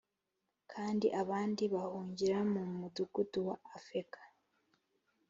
kandi abandi bahungira mu mudugudu wa afeka